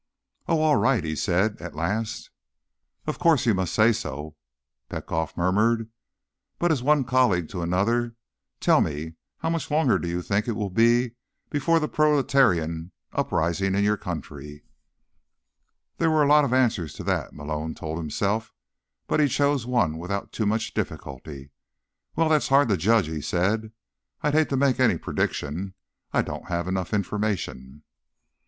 "Oh, all right," he said at last. "Of course, you must say so," Petkoff murmured. "But, as one colleague to another, tell me: how much longer do you think it will be before the proletarian uprising in your country?" There were a lot of answers to that, Malone told himself. But he chose one without too much difficulty. "Well, that's hard to judge," he said. "I'd hate to make any prediction. I don't have enough information."